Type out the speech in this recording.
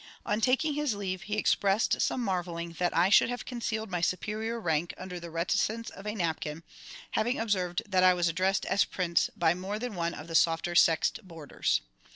On taking his leave, he expressed some marvelling that I should have concealed my superior rank under the reticence of a napkin, having observed that I was addressed as "Prince" by more than one of the softer sexed boarders.